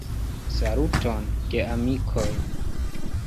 Saluton, geamikoj!